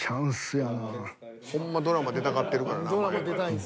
ほんまドラマ出たがってるからな。